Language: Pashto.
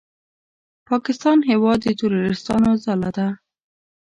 پاکستان هېواد د تروریستانو ځاله ده!